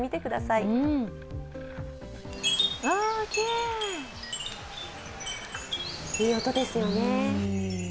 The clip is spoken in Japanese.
いい音ですよね。